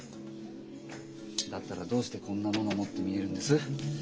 だったらどうしてこんなものを持ってみえるんです？